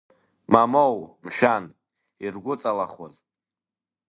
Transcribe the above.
Мамоу, мшәан, иргәыҵалахуаз!